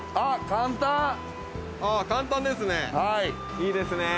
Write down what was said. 簡単ですね。